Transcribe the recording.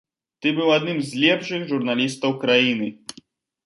Ты быў адным з лепшых журналістаў краіны!